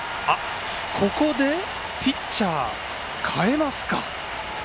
ここでピッチャーを代えますか。